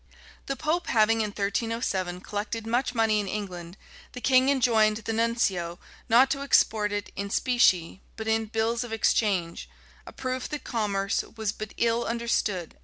The pope having in 1307 collected much money in England, the king enjoined the nuncio not to export it in specie but in bills of exchange;[] a proof that commerce was but ill understood at that time.